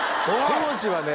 当時はね